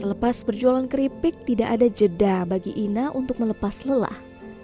selepas berjualan keripik tidak ada jeda bagi ina untuk melepas lelah